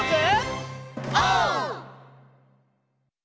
オー！